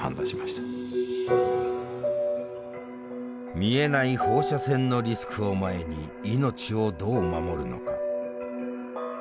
見えない放射線のリスクを前に命をどう守るのか。